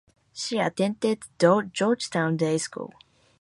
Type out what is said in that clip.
She attended Georgetown Day School.